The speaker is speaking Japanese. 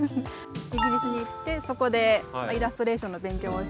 イギリスに行ってそこでイラストレーションの勉強をして。